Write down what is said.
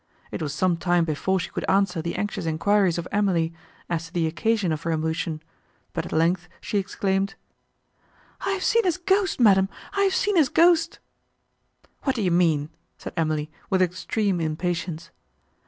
It was some time before she could answer the anxious enquiries of Emily, as to the occasion of her emotion, but, at length, she exclaimed, "I have seen his ghost, madam, I have seen his ghost!" "Who do you mean?" said Emily, with extreme impatience.